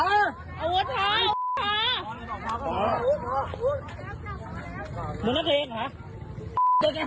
ลูกเคพาลูกเคพา